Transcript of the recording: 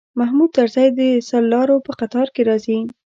محمود طرزی د سرلارو په قطار کې راځي.